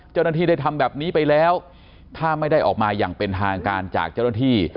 เจ้าหน้าที่ได้ทำแบบนี้ไปแล้วถ้าไม่ได้ออกมาอย่างเป็นทางการจากเจ้าหน้าที่